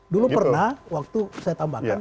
dulu pernah waktu saya tambahkan